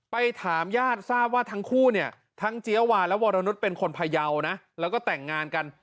ไปถามญาติทราบว่าทั้งคู่เนี่ยทั้งเจี๊ยวาและวรนุษย์เป็นคนพยาวนะแล้วก็แต่งงานกัน